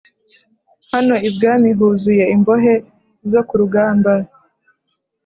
hano ibwami huzuye imbohe zo kurugamba